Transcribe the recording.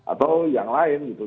atau yang lain gitu